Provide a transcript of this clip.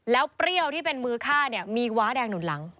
แล้วเปรี้ยวที่เป็นมือฆ่าเนี่ยมีว้าแดงหนุนหลัง